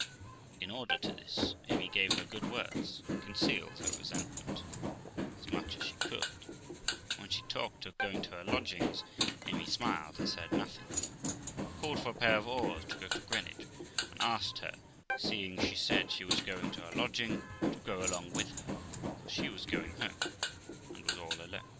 In order to this, Amy gave her good words, and concealed her resentment as much as she could ; and when she talked of going to her lodging, Amy smiled and said nothing, but called for a pair of oars to go to Greenwich; and asked her, seeing she said she was going to her lodging, to go along with her, for she was going home, and was all alone.